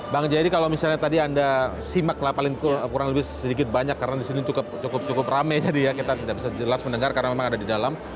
pada saat ini kita tidak bisa jelas mendengar karena memang ada di dalam